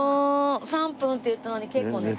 ３分って言ったのに結構寝た。